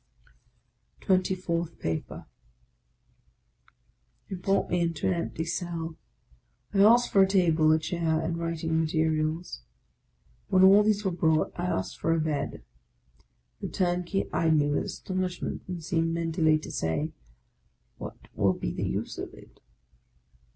TWENTY FOURTH PAPER brought me into an empty cell. I asked for a 1 table, a chair, and writing materials. When all these were brought, I asked for a bed. The turnkey eyed me with astonishment, and seemed mentally to say, " What will be the use of it?